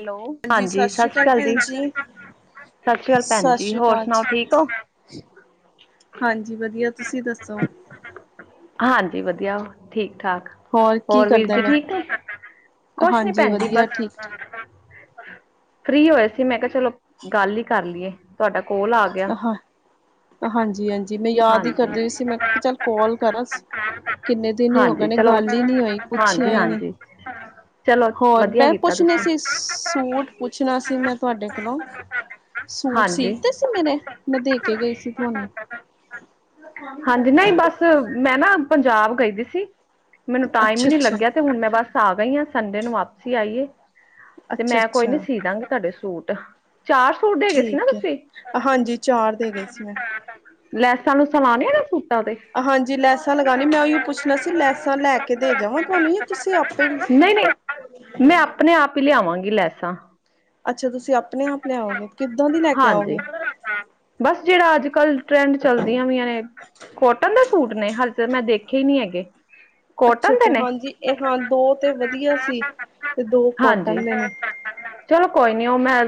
Hello ਹਾਂਜੀ, ਸਤਿ ਸ਼੍ਰੀ ਸਸ ਰੀ ਅਕਾਲ ਕਾਲ ਜੀ। ਭੈਣ ਸਸ ਰੀ ਕਾਲ ਭੈਣ ਸਤਿ ਜੀ, ਸ਼੍ਰੀ ਹੋਰ ਅਕਾਲ ਸੁਣਾਓ ਜੀ। ਠੀਕ ਹੋ। ਹਾਂਜੀ ਵਧੀਆ, ਤੁਸੀਂ ਦੱਸੋ। ਹਾਂਜੀ ਵਧੀਆ, ਠੀਕ-ਠਾਕ। ਕੀ ਹੋਰ ਵੀਰ ਕਰਦਾ ਜੀ ਵੇ? ਠੀਕ ਨੇ, ਕੁਛ ਨੀ ਹਾਂਜੀ ਭੈਣ ਜੀ ਵਧੀਆ ਬਸ ਠੀਕ ਠਾਕ। ਫ੍ਰੀ ਹੋਏ ਸੀ, ਮੈਂ ਕਿਹਾ ਚਲੋ ਗੱਲ ਹੀ ਕਰ ਲਈਏ, ਤੁਹਾਡਾ ਕੋਲ ਆ ਗਿਆ। ਹਾਂ ਹਾਂਜੀ ਹਾਂਜੀ ਮੈਂ ਯਾਦ ਹੀ ਹਾਂਜੀ, ਕਰਦੀ ਸੀ ਮੈਂ ਕਿਹਾ ਚੱਲ ਕਾਲ ਕਰਾਂ। ਕਿੰਨੇ ਦਿਨ ਹੀ ਹੋ ਗਏ ਹਾਂਜੀ ਨੇ ਚਲੋ, ਗੱਲ ਹੀ ਨਹੀਂ ਹੋਈ ਪੁੱਛਿਆ ਹਾਂਜੀ- ਹੀ ਨਹੀਂ। ਹਾਂਜੀ, ਚਲੋ ਹੋਰ ਵਧੀਆ ਮੈਂ ਕੀਤਾ ਪੁੱਛਣੇ ਤੁਸੀਂ। ਸੀ ਸੂਟ ਪੁੱਛਣਾ ਸੀ ਮੈਂ ਤੁਹਾਡੇ ਕੋਲੋਂ, ਸੂਟ ਸੀਲ ਹਾਂਜੀ ਤੇ ਮੇਰੇ, ਮੈਂ ਦੇ ਕੇ ਗਈ ਸੀ ਤੁਹਾਨੂੰ। ਹਾਂਜੀ ਨਹੀਂ ਬਸ, ਮੈਂ ਨਾ ਪੰਜਾਬ ਗਈ ਦੀ ਸੀ। ਮੈਨੂੰ ਟਾਈਮ ਹੀ ਅੱਛਾ ਨਹੀਂ ਅੱਛਾ ਲੱਗਿਆ, ਤੇ ਹੁਣ ਮੈਂ ਬਸ ਆ ਗਈ ਹਾਂ, ਸੰਡੇ ਨੂੰ ਵਾਪਸੀ ਆਈਏ। ਤੇ ਅੱਛਾ ਮੈਂ ਕੋਈ ਨੀ ਅੱਛਾ ਸੀਅ ਦਾਂਗੀ ਤੁਹਾਡੇ ਸੂਟ। ਚਾਰ ਸੂਟ ਦੇ ਗਏ ਸੀ, ਨਾ ਠੀਕ ਹੈ। ਤੁਸੀਂ। ਹਾਂਜੀ ਚਾਰ ਦੇ ਗਈ ਸੀ ਮੈਂ। ਲੈਸਾਂ ਲੂਸਾਂ ਲਾਣੀਆਂ ਨੀ ਸੀ। ਹਾਂਜੀ ਲੈਸਾਂ ਲਗਾਣੀ, ਮੈਂ ਉਹੀ ਪੁੱਛਣਾ ਸੀ, ਲੈਸਾਂ ਲੈ ਕੇ ਦੇ ਜਾਵਾਂ ਤੁਹਾਨੂੰ ਜਾਂ ਤੁਸੀਂ ਆਪੇ ਨਹੀਂ- ਨਹੀਂ, ਮੈਂ ਆਪਣੇ ਆਪ ਈ ਲਿਆਵਾਂਗੀ ਲੈਸਾਂ। ਅੱਛਾ ਤੁਸੀਂ ਆਪਣੇ ਆਪ ਲਿਆਓਗੇ, ਕਿੱਦਾਂ ਦੀ ਲੈ ਕੇ ਹਾਂਜੀ ਆਓਗੇ। ਬਸ ਜਿਹੜਾ ਅੱਜ- ਕੱਲ੍ਹ ਟਰੈਂਡ ਚਲਦੀਆਂ ਵੀਈਆਂ ਨੇ। ਕੋਟਨ ਦੇ ਸੂਟ ਨੇ, ਹਾਲ ਚ ਮੈਂ ਦੇਖੇ ਹੀ ਨਹੀਂ ਹੈਗੇ। ਅੱਛਾ ਕੋਟਨ ਦੇ ਅੱਛਾ ਨੇ, ਹਾਂਜੀ ਇਹ ਹਾਂ ਦੋ ਤੇ ਵਧੀਆ ਸੀ ਤੇ ਦੋ ਹਾਂਜੀ। ਕੋਟਨ ਦੇ ਨੇ ਚਲੋ ਕੋਈ ਨੀ, ਉਹ ਮੈਂ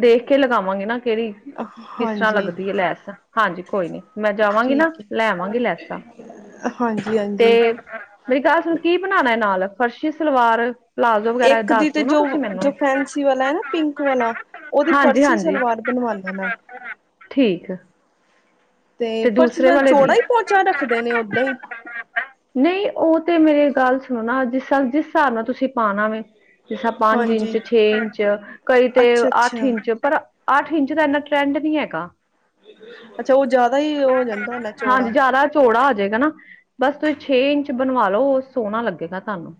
ਦੇਖ ਕੇ ਲਗਾਵਾਂਗੀ ਨਾ, ਕਿਹੜੀ ਕਿਸ ਤਰ੍ਹਾਂ ਹਾਂਜੀ ਲੱਗਦੀ ਐ ਲੈਸ। ਹਾਂਜੀ ਕੋਈ ਨੀ, ਮੈਂ ਜਾਵਾਂਗੀ ਨਾ, ਠੀਕ ਲੈ ਆਵਾਂਗੀ ਲੈਸਾਂ ਹੈ ਹਾਂਜੀ ਹਾਂਜੀ ਤੇ ਮੇਰੀ ਗੱਲ ਸੁਣ ਕੀ ਬਣਾਣਾ ਨਾਲ, ਫਰਸ਼ੀ ਸਲਵਾਰ ਪਲਾਜ਼ੋ ਵਗੈਰਾ, ਇੱਕ ਦੱਸ ਦੀ ਤੇ ਦੋ ਨਾ ਜੋ ਤੁਸੀਂ ਜੋ ਮੈਨੂੰ। ਫੈਂਸੀ ਵਾਲਾ ਐ ਨਾ ਪਿੰਕ ਵਾਲਾ, ਉਹਦੀ ਹਾਂਜੀ ਫਰਸੀ ਹਾਂਜੀ ਸਲਵਾਰ ਬਣਵਾ ਦੇਣਾ। ਠੀਕ ਐ। ਤੇ ਫਰਸ਼ੀ ਦਾ ਚੋੜਾ ਹੀ ਪਹੁੰਚਾ ਰੱਖਦੇ ਨੇ, ਓਦਾਂ ਹੀ। ਨਹੀਂ ਉਹ ਤੇ ਮੇਰੀ ਗੱਲ ਸੁਣ ਨਾ, ਜਿਸ- ਜਿਸ ਸਾਬ੍ਹ ਨਾਲ ਤੁਸੀਂ ਪਾਣਾ ਵੇ। ਜਿਸ ਤਰਾਂ ਪੰਜ ਹਾਂਜੀ ਇੰਚ, ਛੇ ਇੰਚ, ਕਈ ਤੇ ਅੱਛਾ ਅੱਠ ਅੱਛਾ ਇੰਚ ਪਰ ਅੱਠ ਇੰਚ ਦਾ ਇੰਨਾ ਟਰੈਂਡ ਨਹੀਂ ਹੈਗਾ। ਅੱਛਾ, ਉਹ ਜ਼ਿਆਦਾ ਹੀ ਹੋ ਜਾਂਦਾ ਨਾ ਚੌੜਾ। ਚੋੜਾ ਹੋ ਜੇਗਾ ਨਾ, ਬਸ ਤੁਸੀਂ ਛੇ ਇੰਚ ਬਣਵਾ ਲੋ, ਸੋਹਣਾ ਲੱਗੇਗਾ ਤੁਹਾਨੂੰ।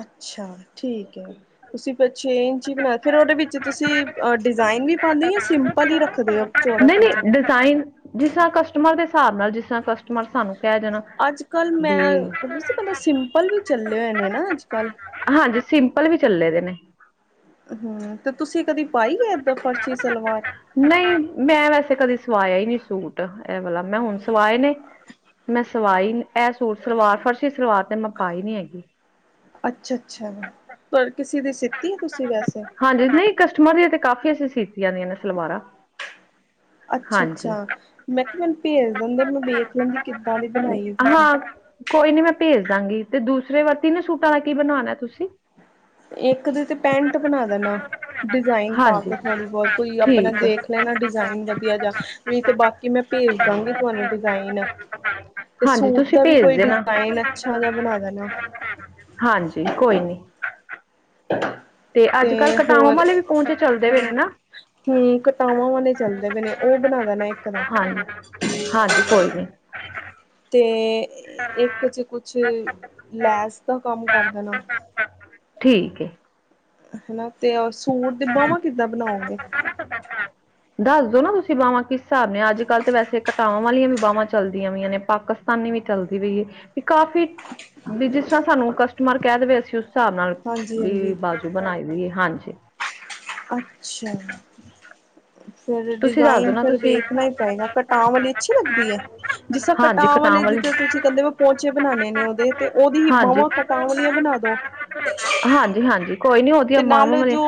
ਅੱਛਾ, ਠੀਕ ਐ। ਤੁਸੀਂ ਫਿਰ ਛੇ ਇੰਚੀ ਬਣਾ ਕੇ ਫਿਰ ਉਹਦੇ ਵਿੱਚ ਤੁਸੀਂ ਡਿਜ਼ਾਇਨ ਵੀ ਪਾਂਦੇ ਹੋ, ਜਾਂ ਸਿੰਪਲ ਹੀ ਰੱਖਦੇ ਹੋ। ਚੌੜਾ ਨਹੀਂ- ਪੋਂਚਾ ਨਹੀਂ, ਡਿਜ਼ਾਇਨ ਜਿਸ ਤਰ੍ਹਾਂ ਕਸਟਮਰ ਦੇ ਹਿਸਾਬ ਨਾਲ, ਜਿਸ ਤਰ੍ਹਾਂ ਕਸਟ ਕਸਟਮਰ ਸਾਨੂੰ ਕਹਿ ਜਾਣ ਅੱਜ-ਕੱਲ੍ਹ, ਮੈਂ ਪਤਾ ਸਿੰਪਲ ਵੀ ਚੱਲੇ ਹੋਏ ਨੇ ਨਾ ਅੱਜ- ਕੱਲ੍ਹ। ਹਾਂਜੀ, ਸਿੰਪਲ ਵੀ ਚੱਲੇ ਦੇ ਨੇ। ਹੂੰ, ਤੇ ਤੁਸੀਂ ਕਦੀ ਪਾਈ ਐ ਏਦਾਂ ਫਰਸ਼ੀ ਸਲਵਾਰ। ਨਹੀਂ, ਮੈਂ ਵੈਸੇ ਕਦੇ ਸਵਾਇਆ ਹੀ ਨਹੀਂ ਸੂਟ ਇਹ ਵਾਲਾ, ਮੈਂ ਹੁਣ ਸਵਾਏ ਨੇ। ਮੈਂ ਸਵਾਈ ਨੀ ਐਹ ਸੂਟ ਸਲਵਾਰ, ਫਰਸ਼ੀ ਸਲਵਾਰ ਤੇ ਮੈਂ ਪਾਈ ਨੀ ਹੈਗੀ। ਅੱਛਾ- ਅੱਛਾ, ਪਰ ਕਿਸੇ ਦੀ ਸਿੱਤੀ ਐ, ਤੁਸੀਂ ਵੈਸੇ। ਹਾਂਜੀ, ਨਹੀਂ ਕਸਟਮਰ ਦੀਆਂ ਤੇ ਕਾਫ਼ੀ ਅਸੀਂ ਸੀਤੀਆਂ ਦੀਆਂ ਨੇ ਸਲਵਾਰਾਂ। ਅੱਛਾ- ਹਾਂਜੀ ਅੱਛਾ। ਮੈਂ ਕਿਹਾ ਮੈਨੂੰ ਭੇਜ ਦਿੰਦੇ ਮੈਂ ਵੇਖ ਲੈਂਦੀ ਕਿੱਦਾਂ ਦੀ ਬਣਾਈ ਤੁਸੀਂ ਹਾਂ ਕੋਈ ਨੀ ਮੈਂ ਭੇਜ ਦਾਂਗੀ ਤੇ ਦੂਸਰੇ ਵ ਤਿੰਨੇ ਸੂਟਾਂ ਦਾ ਕੀ ਬਣਾਉਣਾ ਤੁਸੀਂ ਇੱਕ ਤੇ ਪੈਂਟ ਬਣਾ ਦੇਣਾ ਡਿਜ਼ਾਇਨ ਪਾ ਹਾਂਜੀ ਕੇ ਥੋੜੀ ਬਹੁਤ ਕੋਈ ਆਪਣਾ ਠੀਕ ਦੇਖ ਲੈ ਨਾ ਡਿਜ਼ਾਇਨ ਵਧੀਆ ਜਾ ਵੀ ਤਾਂ ਬਾਕੀ ਕਿ ਮੈਂ ਭੇਜ ਦਾਂਗੀ ਤੁਹਾਨੂੰ ਡਿਜ਼ਾਇਨ ਤੇ ਹਾਂਜੀ ਸੂਟ ਤੁਸੀਂ ਦਾ ਵੀ ਭੇਜ ਕੋਈ ਦੇਣਾ ਡਿਜਾਈਨ ਅੱਛਾ ਜਾ ਬਣਾ ਦੇਣਾ। ਹਾਂਜੀ ਕੋਈ ਨੀ ਤੇ ਅੱਜ ਕੱਲ ਕਟਾਵਾਂ ਵਾਲੇ ਵੀ ਪੋਚੇ ਚੱਲਦੇ ਪਏ ਹੈਨਾ। ਹੂੰ ਕਟਾਵਾਂ ਵਾਲੇ [unintelligible] ਚੱਲਦੇ ਪਏ ਨੇ ਉਹ ਬਣਾ ਦੇਣਾ ਇੱਕ ਦਾ ਹਾਂਜੀ -ਹਾਂਜੀ ਕੋਈ ਨੀ ਤੇ ਇੱਕ ਚੇ ਕੁਛ ਲੈਸ ਦਾ ਕੰਮ ਕਰ ਦੇਣਾ। ਠੀਕ ਏ। ਹਨਾ ਤੇ ਸੂਟ ਦੇ ਬਾਹਵਾਂ ਕਿੱਦਾਂ ਬਣਾਓਗੇ। ਦੱਸ ਦੋ ਨਾ ਤੁਸੀਂ ਬਾਹਵਾਂ ਕਿਸ ਹਿਸਾਬ ਨਾਲ ਨੇ ਅੱਜ ਕੱਲ ਤਾਂ ਵੈਸੇ ਘਟਾਵਾਂ ਵਾਲੀਆਂ ਵੀ ਬਾਹਵਾਂ ਚੱਲਦੀਆਂ ਪਈਆਂ ਨੇ ਪਾਕਿਸਤ ਤਾਨੀ ਵੀ ਚੱਲਦੀ ਪਈ ਹੈ ਵੀ ਕਾਫ਼ੀ ਵੀ ਜਿਸ ਤਰ੍ਹਾਂ ਸਾਨੂੰ ਕਸਟਮਰ ਕਹਿ ਦੇਵੇ ਅਸੀਂ ਉਸ ਹਿਸਾਬ ਨਾਲ ਹਾਂਜੀ ਵੀ ਹਾਂਜੀ ਬਾਜੂ ਬਣਾਏ ਗੀ ਹਾਂਜੀ। ਅੱਛਾ। ਫਿਰ ਤੁਸੀਂ ਦੱਸ ਦੋ ਡਿਜ਼ਾਇਨ ਨਾ ਫਿਰ ਤੁਸੀਂ ਵੇਖਣਾ ਹੀ ਪਏਗਾ ਕਟਾਂ ਵਾਲੀ ਅੱਛੀ ਲੱਗਦੀ ਏ। ਜਿਸ ਤਰ ਹਾਂਜੀ ਕਟਾਂ ਵਾਲੇ ਵਾਲੀ ਜਿਦੇ ਤੁਸੀਂ ਕਹਿੰਦੇ ਪੋਚੇ ਬਣਾਉਂਣੇ ਨੇ ਉਹਦੇ ਤੇ ਉਹਦੀ ਹੀ ਬਾਹਵਾਂ ਕਟਾਂ ਵਾਲੀਆਂ ਬਣਾ ਦੋ। ਹਾਂਜੀ -ਹਾਂਜੀ ਕੋਈ ਨੀ ਉਹ ਤੇ ਨਾਲ ਜੋ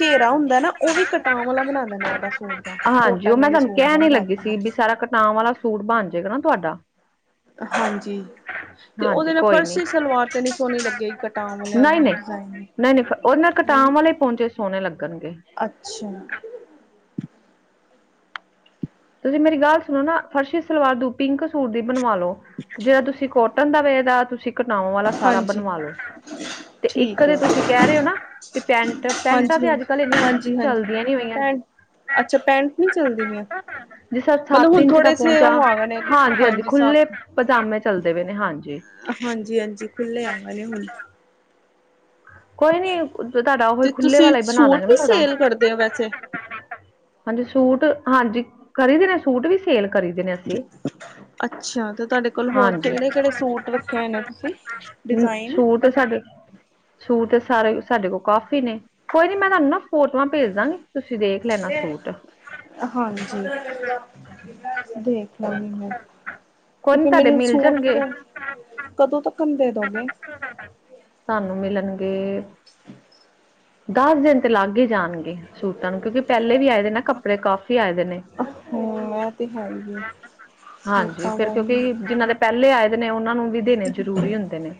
ਘੇਰਾ ਹੁੰਦਾ ਨਾ ਉਹ ਵੀ ਕਟਾਂ ਵਾਲਾ ਬਣਾ ਦਿੰਦਾ ਆ ਬਸ ਹਾਂਜੀ ਉਹ ਮੈਂ ਤੁਹਾਨੂੰ ਕਹਿਣ ਨੀ ਲੱਗੀ ਸੀ ਵੀ ਸਾਰਾ ਕਟਵ ਵਾਲਾ ਸੂਟ ਬਣ ਜਾਏਗਾ ਨਾ ਤੁਹਾਡਾ ਹਾਂਜੀ। ਤੇ ਹਾਂਜੀ ਉਹਦੇ ਨਾਲ ਕੋਈ ਨੀ ਫਰਸੀ ਸਲਵਾਰ ਤੇ ਨੀ ਸੋਹਣੀ ਲੱਗੀ ਕਟਾਂ ਵਾਲੇ ਡਿਜਾਇਨ ਨਹੀਂ -ਨਹੀਂ ਉਹਦੇ ਨਾਲ ਕਟਾਉਣ ਵਾਲੇ ਪੋਚੇ ਸੋਹਣੇ ਲੱਗਣਗੇ। ਅੱਛਾ। ਤੁਸੀਂ ਮੇਰੀ ਗੱਲ ਸੁਣੋ ਨਾ ਫਰਸੀ ਸਲਵਾਰ ਦੂ ਪਿੰਕ ਸੂਟ ਦੀ ਬਣਵਾ ਲਓ ਜਿਹੜਾ ਤੁਸੀਂ ਕੋਟਨ ਦਾ ਵੇ ਦਾ ਤੁਸੀਂ ਘਟਾਂਵਾਂ ਵਾਲਾ ਸਾਰਾ ਹਾਂਜੀ ਬਣਵਾਲੋ। ਤੇ ਠੀਕ ਇੱਕ ਹੈ ਤਾਂ ਤੁਸੀਂ ਕਹਿ ਰਹੇ ਹੋ ਨਾ ਕਿ ਪੈਂਟ ਪੈਂਟਾਂ ਹਾਂਜੀ ਤੇ ਹਾਂਜੀ ਅੱਜ ਕੱਲ ਇੰਨੀਆਂ ਹਾਂਜੀ ਹਾਂਜੀ ਚਲਦੀਆਂ ਨੀ ਪਈਆਂ। ਪੈਂਟ ਅੱਛਾ ਪੈਂਟ ਨਹੀਂ ਚੱਲਦੀਆਂ ਪਈਆਂ। ਜਿਸ ਤਰ ਮਤਲਬ ਸੱਤ ਹੁਣ ਇੰਚ ਦਾ ਥੋੜੇ ਸੇ ਪੌਂਚਾ ਉਹ ਆ ਗਏ ਨੇ ਹਾਂਜੀ- ਹਾਂਜੀ ਸਾਥ ਖੁੱਲੇ ਪਦਾਮੇ ਚੱਲਦੇ ਪਏ ਨੇ ਹਾਂਜੀ। ਹਾਂਜੀ- ਹਾਂਜੀ ਖੁੱਲੇ ਆਵਾਂਗੇ ਹੁਣ ਕੋਈ ਨੀ ਤੁਹਾਡਾ ਉਹੀ ਤੇ ਖੁੱਲੇ ਤੁਸੀਂ ਵਾਲਾ ਹੀ ਬਣਾ ਦਗੇ ਸੂਟ ਨਾ ਵੀ ਤੁਹਾਡਾ ਸੇਲ ਕਰਦੇ ਹੋ ਵੈਸੇ ਹਾਂਜੀ ਸੂਟ ਹਾਂਜੀ ਕਰੀ ਦੇ ਨੇ ਸੂਟ ਵੀ ਸੇਲ ਕਰੀ ਦੇ ਨੇ ਅਸੀਂ ਅੱਛਾ ਤੇ ਤੁਹਾਡੇ ਕੋਲ ਹੋਰ ਹਾਂਜੀ ਕਿਹੜੇ- ਕਿਹੜੇ ਸੂਟ ਰੱਖੇ ਹੋਏ ਨੇ ਤੁਸੀਂ ਹਮ, ਡਿਜ਼ਾਇਨ ਸੂਟ ਸਾਡੇ ਸੂਟ ਤੇ ਸਾਰੇ ਸਾਡੇ ਕੋਲ ਕਾਫੀ ਨੇ ਕੋਈ ਨੀ ਮੈਂ ਤੁਹਾਨੂੰ ਨਾ ਫੋਟੋਆਂ ਭੇਜ ਦਾਂਗੀ ਤੁਸੀਂ ਦੇਖ ਲੈਣਾ ਸੂਟ ਹਾਂਜੀ [unintelligible] ਦੇਖ ਲਾਂਗੀ ਮੈਂ ਕੋਈ ਤੇ ਨੀ ਫਿਰ ਤੁਹਾਡੇ ਮੈਨੂੰ ਮਿਲ ਸੂਟ ਜਾਣਗੇ ਕ ਕਦੋਂ ਤੱਕ ਦੇ ਦੋਗੇ। ਤੁਹਾਨੂੰ ਮਿਲਣਗੇ। ਦਸ ਦਿਨ ਤੇ ਲੱਗ ਹੀ ਜਾਣਗੇ ਸੂਟਾਂ ਨੂੰ ਕਿਉਂਕਿ ਪਹਿਲੇ ਵੀ ਆਏ ਦੇ ਨਾ। ਕੱਪੜੇ ਕਾਫੀ ਆਏ ਦੇ ਨੇ। ਹਾਂ ਇਹ ਤੇ ਹੈ ਹੀ ਹੈ ਹਾਂਜੀ ਸੂਟਾਂ ਫਿਰ ਦਾ ਕਿਉਂਕਿ ਵੀ ਜਿਨਾਂ ਦੇ ਪਹਿਲੇ ਆਏ ਦੇ ਨੇ ਉਹਨਾਂ ਨੂੰ ਵੀ ਦੇਣੇ ਜਰੂਰੀ ਹੁੰਦੇ ਨੇ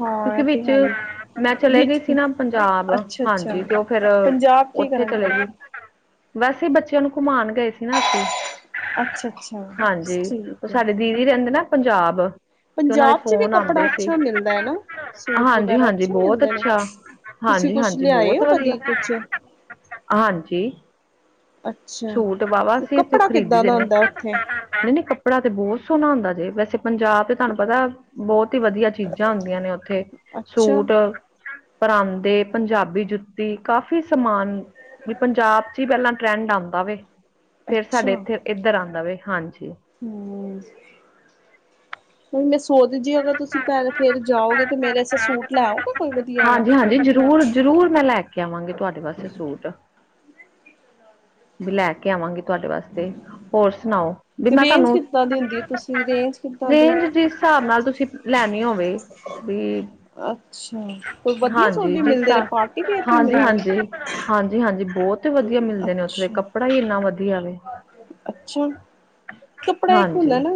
ਹਾਂ ਇਹ ਤੇ ਵਿੱਚ ਹੈ ਹੀ ਮੈਂ ਚਲੇ ਗਈ ਵਿੱਚ ਸੀ ਨਾ ਪੰਜਾਬ ਅੱਛਾ ਅੱਛਾ ਹਾਂਜੀ ਤੇ ਉਹ ਫਿਰ ਪੰਜਾਬ ਕੀ ਓਥੇ ਕਰਨ ਚਲੇ ਗਏ ਗਈ। ਸੀ ਵੈਸੇ ਬੱਚਿਆਂ ਨੂੰ ਘੁਮਾਉਣ ਗਏ ਸੀ ਨਾ ਅਸੀਂ ਅੱਛਾ ਹਾਂਜੀ -ਅੱਛਾ ਉਹ ਠੀਕ ਹੈ। ਸਾਡੇ ਦੀਦੀ ਰਹਿੰਦੇ ਨਾ ਪੰਜਾਬ ਤੇ ਉਹਨਾ ਦੇ ਪੰਜਾਬ ਚ ਵੀ ਫੋਨ ਕੱਪੜਾ ਆਉਂਦੇ ਸੀ। ਅੱਛਾ ਮਿਲਦਾ ਹੈ ਨਾ ਸੂਟ ਹਾਂਜੀ ਵਗੈਰਾ -ਹਾਂਜੀ। ਅੱਛੇ ਬਹੁਤ ਮਿਲਦੇ ਨੇ ਅੱਛਾ, ਤੁਸੀਂ ਹਾਂਜੀ- ਕੁਛ ਹਾਂਜੀ ਲਿਆਏ ਬਹੁਤ ਹੋ ਵਧੀਆ ਕਦੀ ਕੁਛ ਹਾਂਜੀ। ਅੱਛਾ ਸੂਟ ਵਾਹਵਾ ਅਸੀਂ ਇਥੋਂ ਕੱਪੜਾ ਖਰੀਦੀ ਕਿੱਦਾਂ ਦੇ ਦਾ ਹੁੰਦਾ ਉੱਥੇ ਨੇ। ਕਪੜਾ ਤੇ ਬਹੁਤ ਸੋਹਣਾ ਹੁੰਦਾ ਜੇ, ਵੈਸੇ ਪੰਜਾਬ ਤੇ ਤੁਹਾਨੂੰ ਪਤਾ ਬਹੁਤ ਹੀ ਵਧੀਆ ਚੀਜ਼ਾਂ ਹੁੰਦੀਆਂ ਨੇ ਉੱਥੇ। ਅੱਛਾ ਸੂਟ ਪਰਾਂਦੇ ਪੰਜਾਬੀ ਜੁੱਤੀ ਕਾਫੀ ਸਮਾਨ ਵੀ ਪੰਜਾਬ ਚ ਹੀ ਪਹਿਲਾਂ ਟਰੈਂਡ ਆਉਂਦਾ ਵੇ ਫਿਰ ਸਾਡੇ ਅੱਛਾ ਇੱਥੇ ਇੱਧਰ ਆਉਂਦਾ ਵੇ ਹਾਂਜੀ ਹਮ। ਮੈਂ ਸੋਚ ਜੇ ਅਗਰ ਤੁਸੀਂ ਪੈ ਫੇਰ ਜਾਓਗੇ ਤੇ ਮੇਰੇ ਵਾਸਤੇ ਸੂਟ ਲੈਓਗੇ ਕੋਈ ਵਧੀਆ ਜਾਹਾ। ਹਾਂਜੀ ਹਾਂਜੀ, ਜ਼ਰੂਰ। ਜ਼ਰੂਰ ਮੈਂ ਲੈ ਕੇ ਆਵਾਂਗੀ ਤੁਹਾਡੇ ਵਾਸਤੇ ਸੂਟ। ਲੈ ਕੇ ਆਵਾਂਗੀ। ਤੁਹਾਡੇ ਵਾਸਤੇ ਹੋਰ ਸੁਣਾਓ ਵੀ ਤੇ ਮੈਂ ਰੇਂਜ ਤੁਹਾਨੂੰ ਕਿੱਦਾਂ ਦੀ ਹੁੰਦੀ ਹੈ, ਤੁਸੀਂ ਰੇਂਜ ਕਿੱਦਾਂ ਦੀ ਰੇਂਜ ਜਿਸ ਹਿਸਾਬ ਨਾਲ। ਤੁਸੀਂ ਲੈਣੀ ਹੋਵੇ। ਵੀ ਅੱਛਾ ਕੋਈ ਵਧੀਆ ਸੂਟ ਹਾਂਜੀ। ਵੀ ਜਿਸ ਮਿਲਦੇ ਨੇ ਪਾਰਟੀ ਵੇਅਰ ਵੀ ਹਾਂਜੀ- ਮਿਲਦੇ ਨੇ ਹਾਂਜੀ। ਹਾਂਜੀ- ਹਾਂਜੀ ਬਹੁਤ ਵਧੀਆ ਮਿਲਦੇ ਨੇ ਉੱਥੇ ਦੇ ਅੱਛਾ ਕੱਪੜਾ ਹੀ ਇੰਨਾ ਵਧੀਆ ਵ। ਅੱਛਾ। ਕੱਪੜਾ ਇੱਕ ਹਾਂਜੀ ਹੁਲਾ ਨਾ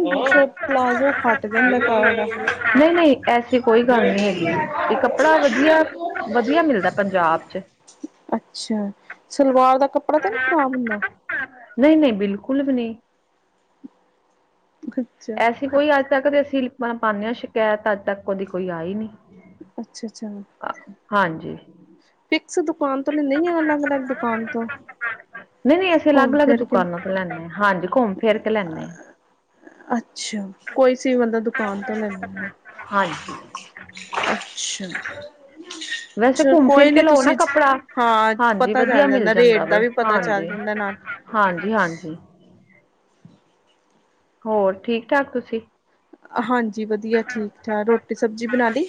ਪਲਾਜ਼ੋ ਫੱਟ ਜਾਂਦਾ। ਕ ਨਹੀਂ- ਨਹੀਂ ਐਸੀ ਕੋਈ ਗੱਲ ਨਹੀਂ ਹੈਗੀ ਵੀ ਕੱਪੜਾ ਵਧੀਆ, ਵਧੀਆ ਮਿਲਦਾ ਪੰਜਾਬ। ੱ [inaudible] ਅੱਛਾ। ਸਲਵਾਰ ਦਾ ਕੱਪੜਾ ਤਾਂ ਨਹੀਂ ਖ਼ਰਾਬ ਹੁੰਦਾ। ਨਹੀਂ- ਨਹੀਂ ਬਿਲਕੁਲ ਵੀ ਨਹੀਂ। ਅੱਛਾ। ਐਸੀ ਕੋਈ ਅੱਜ ਤੱਕ ਤੇ ਅਸੀਂ ਪਾਉਂਦੇ ਹਾਂ ਸ਼ਿਕਾਇਤ ਅੱਜ ਤੱਕ ਉਹਦੀ ਕੋਈ ਆਈ ਨ। ਅੱਛਾ- ਅੱਛਾ। ਹਾਂਜੀ। ਫਿਕਸ ਦੁਕਾਨ ਤੋਂ ਲੈਂਦੇ ਆ ਅਲੱਗ- ਅਲੱਗ ਦੁਕਾਨ ਤੋਂ। ਨਹੀਂ- ਨਹੀਂ ਅਸੀਂ ਅਲੱਗ ਘੁੰਮ -ਅਲੱਗ ਫਿਰ ਕੇ ਦੁਕਾਨਾਂ ਤੋਂ ਲੈਦੇ ਹਾਂ। ਹਾਂਜੀ, ਘੁੰਮ ਫਿਰ ਕੇ ਲੈਂਦੇ ਹਾਂ। ਅੱਛਾ। ਕੋਈ ਸੀ ਬੰਦਾ ਦੁਕਾਨ ਤੋਂ ਲੈ ਲੈਂਦੇ। ਹਾਂਜੀ ਅੱਛਾ। ਵੈਸੇ ਚਲ ਘੁੰਮ ਫਿਰ ਕੋਈ ਕੇ ਨੀ ਲੋਓ ਨਾ ਤੁਸੀਂ ਕੱਪੜਾ। ਹਾਂ ਹਾਂਜੀ, ਪਤਾ ਵਧੀਆ ਚੱਲ ਮਿਲ ਰੇਟ ਜਾਂਦਾ ਦਾ ਵ। ਵੀ ਪਤਾ ਚੱਲ ਹਾਂਜੀ- ਜਾਂਦਾ ਨਾਲ ਹਾਂਜੀ- ਹਾਂਜੀ। ਹੋਰ ਠੀਕ- ਠਾਕ ਤੁਸੀਂ। ਹਾਂਜੀ, ਵਧੀਆ, ਠੀਕ- ਠਾਕ ਰੋਟੀ- ਸਬਜ਼ੀ ਬਣਾ ਲਈ।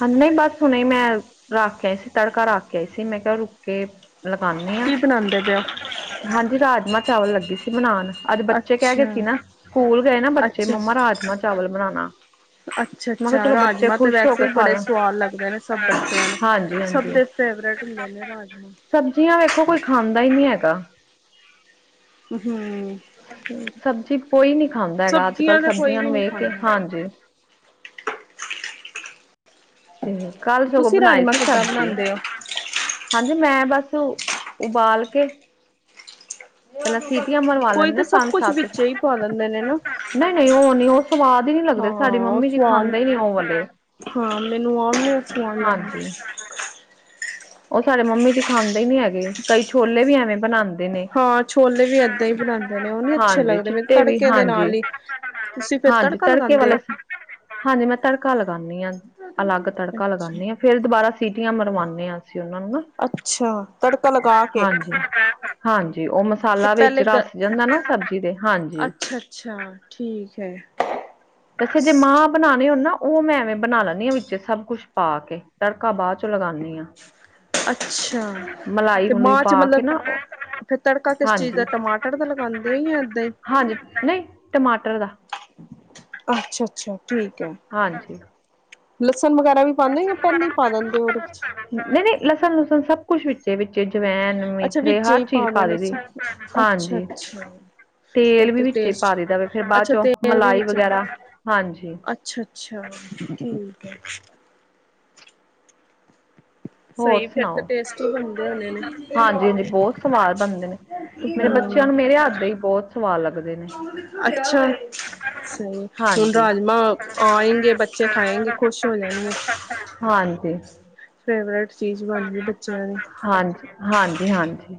ਹਾਂ, ਨਹੀਂ ਬਸ ਹੁਣੇ ਮੈਂ ਰੱਖ ਕੇ ਆਈ ਸੀ ਤੜਕਾ ਰੱਖ ਕੇ ਆਈ ਸੀ। ਮੈਂ ਕਿਹਾ, ਰੁਕੇ ਕੇ ਲਗਾਉਂਦੀ ਹਾਂ। ਕੀ ਬਣਾਉਂਦੇ ਪਏ ਹੋ ਹਾਂਜੀ, ਰਾਜਮਾਂ- ਚਾਵਲ ਲੱਗੀ ਸੀ ਬਣਾਉਣ। ਅੱਜ ਬੱਚੇ ਕਹਿ ਗਏ ਅੱਛਾ ਸੀ ਨਾ। ਸਕੂਲ ਗਏ ਨਾ ਬੱਚੇ ਮੰਮਾ ਰਾਜਮ- ਚਾਵਲ ਬਣਾਉਣਾ। ਅੱਛਾ -ਅੱਛਾ ਰਾਜਮਾਂ ਤੇ ਵੈਸੇ ਹੀ ਖਾ ਬੜੇ ਲੈਣ ਸਵਾਦ ਲੱਗਦੇ ਨੇ ਸਭ ਬੱਚਿਆਂ ਨੂੰ ਹਾਂਜੀ ਸਭ ਹਾਂਜੀ ਦੇ। ਫੇਵਰੇਟ ਹੁੰਦੇ ਨੇ ਰਜਮਾ। ਸਬਜ਼ੀਆਂ ਵੇਖੋ ਕੋਈ ਖਾਂਦਾ ਹੀ ਨਹੀਂ ਹੈਗਾ। ਹਮ ਸਬਜ਼ੀ ਕੋਈ ਨੀ ਖਾਂਦਾ ਹੈਗਾ। ਅੱਜ ਕੱਲ੍ਹ ਕੋਈ ਸਬਜ਼ੀਆਂ ਵੀ ਨੂੰ ਨੀ ਵੇਖ ਕੇ ਖਾਂਦਾ। ਹਾਂਜੀ। ਤੇ ਕੱਲ ਸਗੋਂ ਤੁਸੀਂ ਬਣਾਈ ਰਾਜਮਾਂ ਸੀ ਕਿੱਦਾਂ ਸਬਜ਼ੀ। ਬਣਾਉਂਦੇ ਹੋ? ਹਾਂਜੀ। ਮੈਂ ਬਸ ਉਬਾਲ ਕੇ ਪਹਿਲਾਂ ਸੀਟੀਆਂ ਮਰਵਾ ਕੋਈ ਲੈਂਦੇ ਨੇ ਤਾਂ ਸਭ ਪੰਜ ਕੁਛ -ਸੱਤ। ਵਿੱਚ ਹੀ ਪਾ ਦਿੰਦੇ ਨੇ ਨਾ। ਨਹੀਂ -ਨਹੀਂ ਉਹ ਨਹੀਂ ਉਹ ਸਵਾਦ ਹੀ ਨੀ ਲੱਗਦੇ ਸਾਡੀ ਹਾਂ ਮੰਮੀ ਜੀ ਸਵਾਦ ਖਾਂਦੇ ਹੀ ਨੀ ਉਹ ਵਾਲਲੇ। ਹਾਂ ਮੈਨੂੰ ਆਹ ਵੀ ਸਵਾਦ ਲੱਗਦਾ। ਹਾਂਜੀ। ਉਹ ਸਾਡੇ ਮੰਮੀ ਜੀ ਖਾਂਦੇ ਹੀ ਨੀ ਹੈਗੇ। ਕਈ ਛੋਲੇ ਵੀ ਐਵੇਂ ਬਣਾਉਂਦੇ। ਨੇ। ਹਾਂ ਛੋਲੇ ਵੀ ਏਦਾਂ ਹੀ ਬਣਾਉਂਦੇ ਨੇ ਉਹ ਨੀ ਅੱਛੇ ਹਾਂਜੀ, ਲੱਗਦੇ ਮੈਨੂੰ ਚਿੱਟੇ ਵੀ ਤੜਕੇ ਦੇ ਨਾਲ ਹਾਂਜੀ। ਹੀ। ਤੁਸੀਂ ਫੇਰ ਹਾਂਜੀ। ਤੜਕਾ ਤੜਕੇ ਲਗਾਉਂਦੇ ਵਾਲੇ ਹੋ? ਹਾਂਜੀ। ਮੈਂ ਤੜਕਾ ਲਗਾਉਂਦੀ ਹਾਂ। ਅਲੱਗ ਤੜਕਾ ਅੱਛਾ ਲਗਾਉਦੀ ਹਾਂ। ਫੇਰ ਦੁਬਾਰਾ ਸੀਟੀਆਂ ਮਰਵਾਉਂਦੇ ਹਾਂ ਅਸੀਂ ਉਹਨਾਂ ਨੂੰ ਨਾ। ਅੱਛਾ। ਤੜਕਾ ਲਗਾ ਕੇ। ਹਮ। ਹਾਂ- ਹਾਂ ਹਾਂਜੀ ਉਹ ਮ ਤੇ ਸਾਲਾ ਵਿੱਚ ਪਹਿਲੇ ਗ ਰਸ ਜਾਂਦਾ ਨਾ ਸਬਜ਼ੀ ਦੇ, ਹਾਂਜੀ। ਅੱਛਾ-ਅੱਛਾ ਠੀਕ ਹੈ। ਅੱਛਾ ਜੇ ਮਾਂ ਬਣਾਣੇ ਓ ਨਾ, ਉਹ ਮੈਂ ਐਵੇਂ ਬਣਾ ਲੈਣੀ ਆ ਵਿੱਚੇ ਸਬ ਕੁੱਛ ਪਾ ਕੇ, ਤੜਕਾ ਬਾਦ ਚੋਂ ਲਗਾਣੀ ਆ। ਅੱਛਾ। ਤੇ ਮਲੂਈ ਮਾਂ ਚ' ਪਾ ਕੇ ਮਤਲਬ ਨਾ ਫੇਰ ਤੜਕਾ ਕਿਸ ਚੀਜ਼ ਹਾਂਜੀ ਦਾ ਟਮਾਟਰ ਦਾ ਲਗਾਂਦੇ ਓ ਯਾ ਏਦਾਂ ਈ ਹਾਂਜੀ ਨਹੀਂ ਟਮਾਟਰ ਦਾ ਅੱਛਾ-ਅੱਛਾ, ਠੀਕ ਐ। ਹਾਂਜੀ ਲਸਣ ਵਗੈਰਾ ਵੀ ਪਾਂਦੇ ਓ ਯਾ ਪੈਲੇ ਈ ਪਾ ਦਿੰਦੇ ਓਦੇ ਵਿੱਚ। ਨਈ-ਨਈ, ਲਸਨ -ਲੁਸਨ ਸਬ ਕੁਛ ਵਿੱਚੇ, ਵਿੱਚੇ ਜਵੈਨ, ਅੱਛਾ ਮੇਥਰੇ ਵਿੱਚ ਹਰ ਹੀ ਚੀਜ਼ ਪਾ ਦਿੰਦੇ ਦੇ ਦੀ ਅੱਛਾ ਹਾਂਜੀ। ਅੱਛਾ ਫਿਰ ਤੇਲ ਵੀ ਤੇ ਵਿੱਚ ਈ ਪਾ ਟੇਸਟ ਦੇਈਦਾ ਵੇ, ਫੇਰ ਬਾਦ ਅੱਛਾ ਚੋਂ ਮਲਾਈ ਵਗੈਰਾ, ਹਾਂਜੀ। ਅੱਛਾ-ਅੱਛਾ ਠੀਕ ਐ। ਹੋਰ ਸਹੀ ਫਿਰ ਸੁਣਾਓ? ਤਾਂ ਟੇਸਟੀ ਬਣਦੇ ਹੋਣੇ ਨੇ ਹਾਂਜੀ-ਹਾਂਜੀ, ਬੌਤ ਸਵਾਦ ਬਣਦੇ ਨੇ। ਮੇਰੇ ਬੱਚਿਆਂ ਨੂੰ ਹਾਂ ਮੇਰੇ ਹੱਥ ਦੇ ਈ ਬੌਤ ਸਵਾਦ ਲੱਗਦੇ ਨੇ। ਸਈ ਹੁਣ ਹਾਂਜੀ ਰਾਜਮਾਂ, ਆਏਂਗੇ ਬੱਚੇ, ਖਾਏਗੇ, ਖੁਸ਼ ਹੋ ਜਾਣਗੇ। ਹਾਂਜੀ। ਫੇਵਰੇਟ ਚੀਜ਼ ਬਣ ਗਈ ਬੱਚਿਆਂ ਦੀ। ਹਾਂਜੀ, ਹਾਂਜੀ-ਹਾਂਜੀ।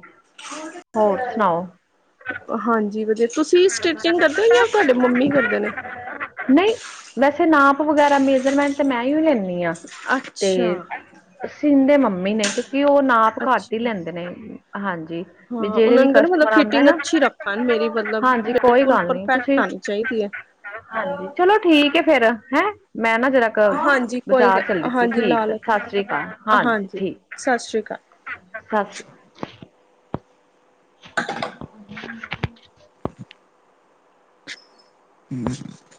ਹਾਂਜੀ, ਵਦੀਆ। ਤੁਸੀਂ ਸਟਿਚਿੰਗ ਕਰਦੇ ਓ ਯਾ ਤੁਆਡੇ ਮੰਮੀ ਕਰਦੇ ਨੇ। ਨਈ, ਵੈਸੇ ਨਾਪ ਵਗੈਰਾ ਮੇਜਰਮੈਂਟ ਤਾਂ ਮੈਂ ਈਓ ਲੈਣੀ ਆ, ਅੱਛਾ ਤੇ ਸਿਂਦੇ ਮੰਮੀ ਨੇ, ਕਿਉਂ ਕਿ ਉਹ ਨਾਪ ਘੱਟ ਈ ਅੱਛਾ ਲੈਂਦੇ ਨੇ, ਹਾਂਜੀ, ਵੀ ਜੇੜੇ ਵੀ ਕਸਟਮਰ ਆਂਦਾ ਨਾ ਖਾਨ ਮੇਰੀ ਮਤਲਬ ਹਾਂਜੀ ਕੋਈ ਬਿਲਕੁਲ ਗੱਲ ਨਹੀਂ ਪਰਫੈਕਟ ਤੁਸੀਂ ਆਣੀ ਚਾਈਦੀ ਐ। ਹਾਂਜੀ ਚਲੋ ਠੀਕ ਏ ਫੇਰ, ਹੈਂ, ਮੈਂ ਨਾ ਜਰਾ ਕੀ ਹਾਂਜੀ ਕੋਈ ਬਜਾਰ ਗੱਲ ਚੱਲੀ ਸੀ, ਹਾਂਜੀ ਲਾ ਠੀਕ ਲਓ ਸਾਸ੍ਰੀ ਕਾਲ ਹਾਂਜੀ, ਠੀਕ। ਸਤਿ ਸ਼੍ਰੀ ਅਕਾਲ ਸਾ ਸ੍ਰੀ [unintelligible] ਹੁ [unintelligible]